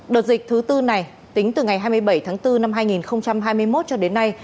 đợt dịch thứ tư này tính từ ngày hai mươi bảy tháng bốn năm hai nghìn hai mươi một cho đến nay